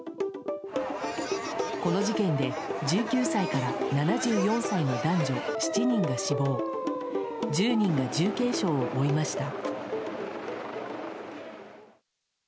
この事件で、１９歳から７４歳の男女７人が死亡１０人が重軽傷を負いました。